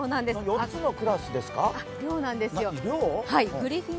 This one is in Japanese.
４つのクラスですか？